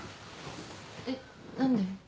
えっ何で？